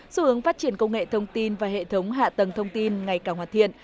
xu hướng phát triển công nghệ thông tin và hệ thống hạ tầng thông tin ngày càng hoạt thiện